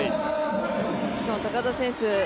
しかも高田選手